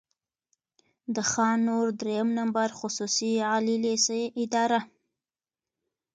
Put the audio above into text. د خان نور دريیم نمبر خصوصي عالي لېسې اداره،